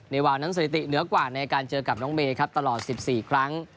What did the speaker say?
วาวนั้นสถิติเหนือกว่าในการเจอกับน้องเมย์ครับตลอด๑๔ครั้ง